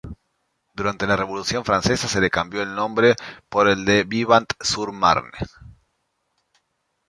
Durante la Revolución francesa se le cambió el nombre por el de Vivant-sur-Marne.